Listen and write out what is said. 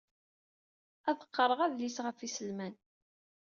Ad qqareɣ adlis ɣef iselman.